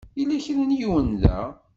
Yella kra n yiwen da?